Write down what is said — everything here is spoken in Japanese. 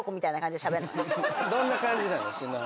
どんな感じなの？